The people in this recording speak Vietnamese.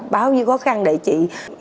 bao nhiêu khó khăn để chị